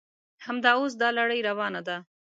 همدا اوس دا لړۍ روانه ده.